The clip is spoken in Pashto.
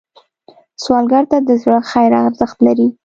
سوالګر ته د زړه خیر ارزښت لري